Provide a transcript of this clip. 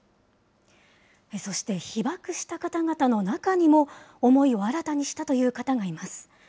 そして、被爆した方々の中にも、思いを新たにしたという方がいます。